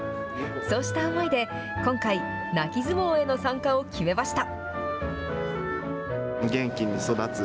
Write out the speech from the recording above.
そうした思いで、今回、泣き相撲への参加を決めました。